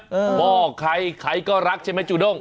หม้อใครใครก็รักใช่ไหมจูด้ง